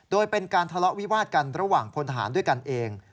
โดยเป็นการทะเลาะวิวาดกันระหว่างพลทหารด้วยกันเอง